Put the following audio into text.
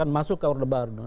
masuk ke orde baru